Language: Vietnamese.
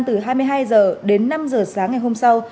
từ hai mươi hai h đến năm h sáng ngày hôm sau